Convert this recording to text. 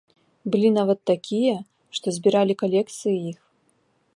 Былі нават такія, што збіралі калекцыі іх.